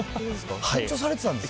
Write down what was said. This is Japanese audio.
緊張されてたんですか？